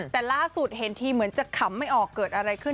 แต่ล่าสุดเห็นทีเหมือนจะขำไม่ออกเกิดอะไรขึ้น